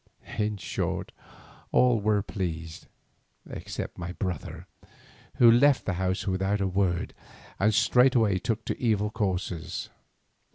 In short all were pleased except my brother, who left the house without a word and straightway took to evil courses.